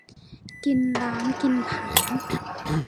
กินล้างกินผลาญ